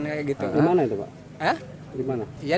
di mana itu pak